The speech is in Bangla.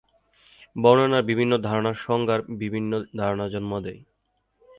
বর্ণনার বিভিন্ন ধারণা সংজ্ঞার বিভিন্ন ধারণার জন্ম দেয়।